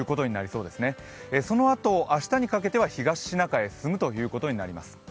そのあと明日にかけては東シナ海へ進むということになります。